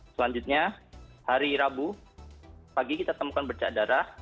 selanjutnya hari rabu pagi kita temukan bercak darah